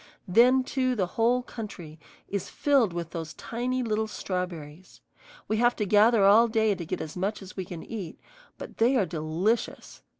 Then too the whole country is filled with those tiny little strawberries. We have to gather all day to get as much as we can eat, but they are delicious.